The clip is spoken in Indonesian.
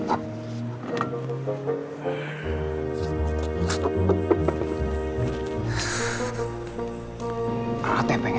aku pengen ngobrol sama kayaknya er